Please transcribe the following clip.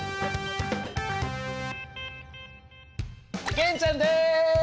玄ちゃんです！